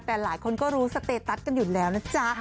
แต่หลายคนก็รู้สเตตัสกันอยู่แล้วนะจ๊ะ